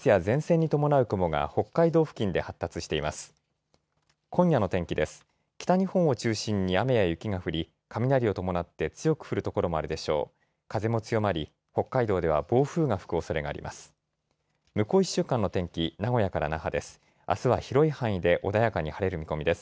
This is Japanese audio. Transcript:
風も強まり北海道では暴風が吹くおそれがあります。